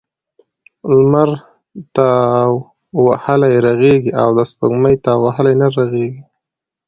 د لمر تاو وهلی رغیږي او دسپوږمۍ تاو وهلی نه رغیږی .